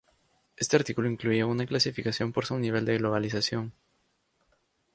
Este artículo incluye una clasificados por su nivel de globalización.